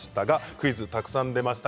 クイズたくさん出てきました。